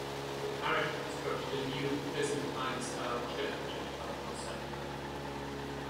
The parish constructed a new Byzantine style church and cultural center.